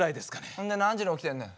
ほんで何時に起きてんねん。